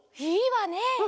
いいわね。